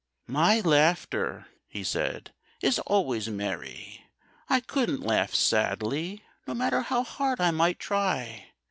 "My laughter," he said, "is always merry. I couldn't laugh sadly, no matter how hard I might try.